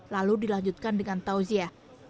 lalu dilanjutkan dengan tauzia